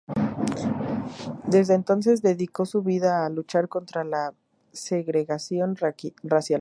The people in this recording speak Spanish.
Desde entonces dedicó su vida a luchar contra la segregación racial.